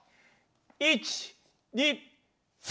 １２３！